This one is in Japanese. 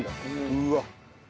うわっ。